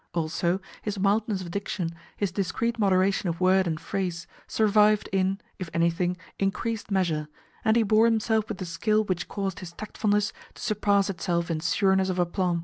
Also, his mildness of diction, his discreet moderation of word and phrase, survived in, if anything, increased measure, and he bore himself with a skill which caused his tactfulness to surpass itself in sureness of aplomb.